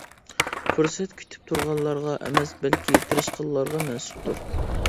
پۇرسەت كۈتۈپ تۇرغانلارغا ئەمەس بەلكى تىرىشقانلارغا مەنسۇپتۇر!